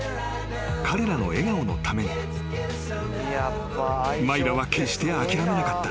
［彼らの笑顔のためにマイラは決して諦めなかった］